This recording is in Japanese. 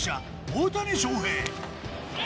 大谷翔平